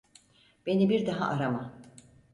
Beni bir daha arama.